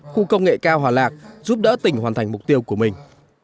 khu công nghệ cao hòa lạc giúp đỡ tỉnh hoàn thành mục tiêu của mình